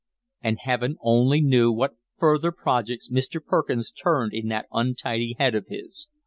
And heaven only knew what further projects Mr. Perkins turned in that untidy head of his.